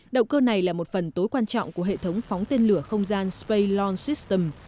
động cơ này là một phần tối quan trọng của hệ thống phóng tên lửa không gian spaylon system